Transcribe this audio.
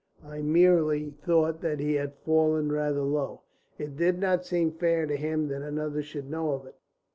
I merely thought that he had fallen rather low. It did not seem fair to him that another should know of it.